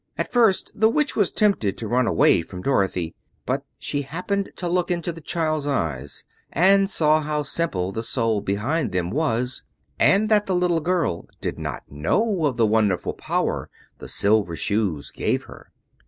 At first the Witch was tempted to run away from Dorothy; but she happened to look into the child's eyes and saw how simple the soul behind them was, and that the little girl did not know of the wonderful power the Silver Shoes gave her.